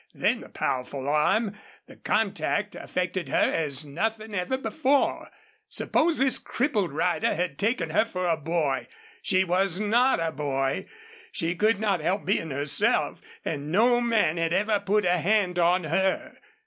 Then the powerful arm the contact affected her as nothing ever before. Suppose this crippled rider had taken her for a boy She was not a boy! She could not help being herself. And no man had ever put a hand on her.